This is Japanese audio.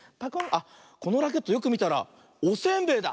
あっこのラケットよくみたらおせんべいだ。